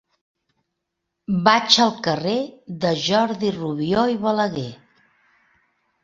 Vaig al carrer de Jordi Rubió i Balaguer.